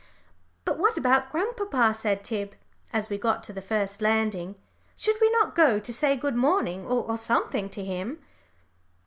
"But what about grandpapa?" said Tib, as we got to the first landing. "Should we not go to say good morning or something to him?"